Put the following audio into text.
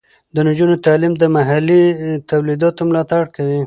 د نجونو تعلیم د محلي تولیداتو ملاتړ کوي.